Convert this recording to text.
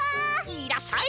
いらっしゃい！